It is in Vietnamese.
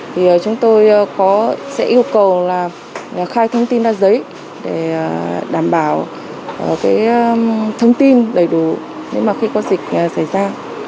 thì chúng tôi sẽ yêu cầu khai thông tin ra giấy để đảm bảo thông tin đầy đủ khi có dịch xảy ra